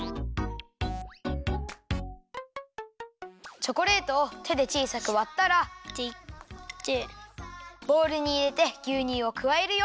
チョコレートをてでちいさくわったらボウルにいれてぎゅうにゅうをくわえるよ。